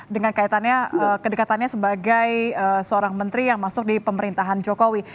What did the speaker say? dengan kaitannya kedekatannya sebagai seorang menteri yang masuk di pemerintahan jokowi